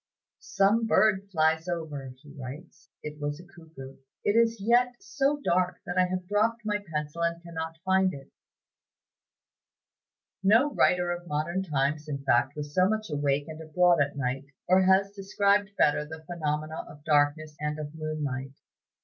"Some bird flies over," he writes, "making a noise like the barking of a puppy (it was a cuckoo). It is yet so dark that I have dropped my pencil and cannot find it." No writer of modern times, in fact, was so much awake and abroad at night, or has described better the phenomena of darkness and of moonlight.